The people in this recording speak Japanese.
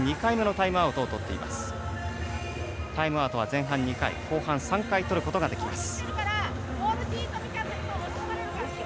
タイムアウトは前半２回後半３回取ることができます。